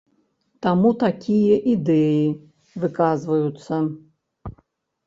Таму такія ідэі выказваюцца.